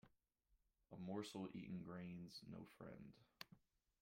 A morsel eaten gains no friend.